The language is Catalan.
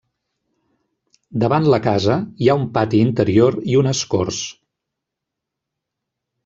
Davant la casa hi ha un pati interior i unes corts.